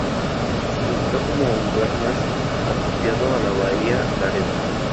Se señaló como lugar más apropiado a la bahía Laredo.